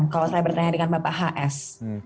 kalau saya bertanya dengan bapak hs